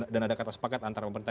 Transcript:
dan ada kata sepakat antara pemerintah